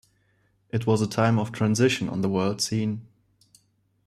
It was a time of transition on the world scene.